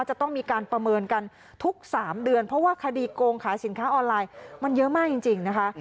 จะต้องมีการประเมินกันทุก๓เดือนเพราะว่าคดีโกงขายสินค้าออนไลน์มันเยอะมากจริงนะคะ